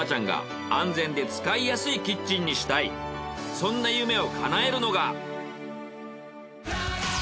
そんな夢を叶えるのが。